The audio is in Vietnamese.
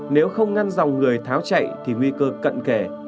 nếu không ngăn dòng người tháo chạy thì nguy cơ cận kể